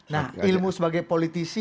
nah ilmu sebagai politisi